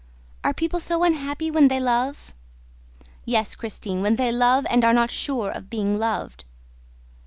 Are people so unhappy when they love?" "Yes, Christine, when they love and are not sure of being loved."